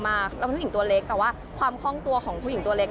เราเป็นผู้หญิงตัวเล็กแต่ว่าความคล่องตัวของผู้หญิงตัวเล็ก